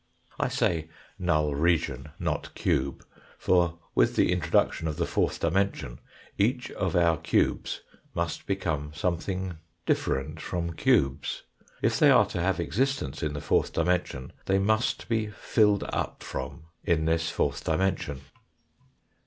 I say null region, not cube ; for with the introduction of the fourth dimension each of our cubes must become something different from cubes. If they are to have existence in the fourth dimension, they must be " filled up from " in this fourth dimension.